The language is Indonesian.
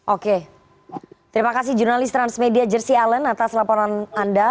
oke terima kasih jurnalis transmedia jersi allen atas laporan anda